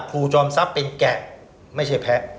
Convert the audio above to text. จอมทรัพย์เป็นแกะไม่ใช่แพ้